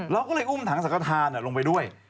เราก็เลยอุ้มถังสังกฐานลงไปด้วย